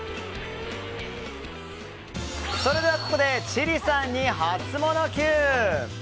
それでは、ここで千里さんにハツモノＱ！